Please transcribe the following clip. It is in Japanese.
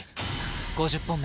５０本目。